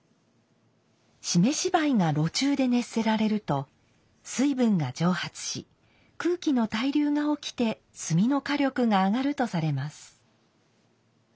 湿し灰が炉中で熱せられると水分が蒸発し空気の対流が起きて炭の火力が上がるとされます。